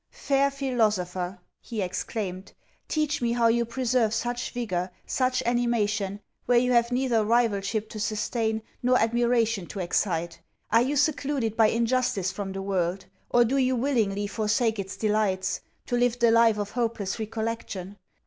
'Fair philosopher,' he exclaimed, 'teach me how you preserve such vigour, such animation, where you have neither rivalship to sustain, nor admiration to excite? Are you secluded by injustice from the world? Or, do you willingly forsake its delights, to live the life of hopeless recollection?